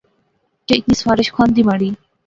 کہ اتنی سفارش کھان دی مہاڑی؟